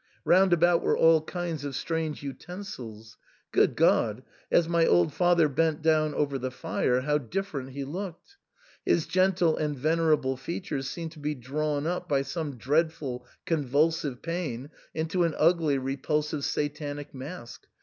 Round about were all kinds of strange utensils. Good God ! as my old father bent down over the fire how different he looked ! His gentle and venerable features seemed to be drawn up by some dreadful convulsive pain into an ugly, repulsive Satanic mask.